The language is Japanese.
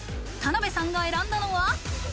田辺さんが選んだのは。